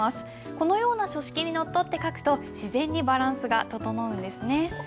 このような書式にのっとって書くと自然にバランスが整うんですね。